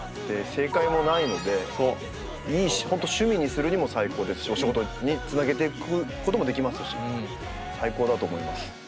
正解もないので本当趣味にするにも最高ですしお仕事につなげていくこともできますし最高だと思います。